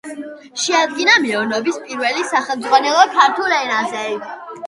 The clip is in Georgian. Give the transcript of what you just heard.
შეადგინა მეანობის პირველი სახელმძღვანელო ქართულ ენაზე.